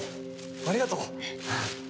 ありがとう！